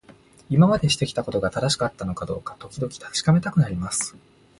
今までしてきたことが正しかったのかどうか、時々確かめたくなります。